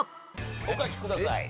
お書きください。